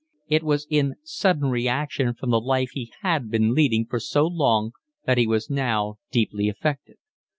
It was in sudden reaction from the life he had been leading for so long that he was now deeply affected.